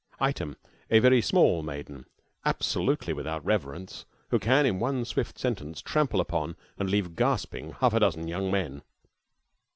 Item, a very small maiden, absolutely without reverence, who can in one swift sentence trample upon and leave gasping half a dozen young men.